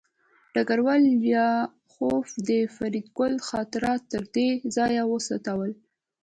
ډګروال لیاخوف د فریدګل خاطرات تر دې ځایه ولوستل